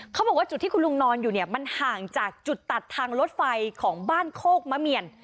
เขาบอกว่าจุดที่คุณลุงนอนอยู่เนี่ยมันห่างจากจุดตัดทางรถไฟของบ้านโคกมะเมียน